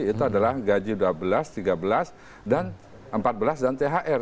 itu adalah gaji dua belas tiga belas dan empat belas dan thr